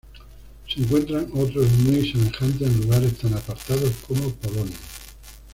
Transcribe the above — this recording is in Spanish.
Se encuentran otros muy semejantes en lugares tan apartados como Polonia.